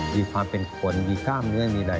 มีความเป็นคนมีกล้ามเนื้อมีอะไร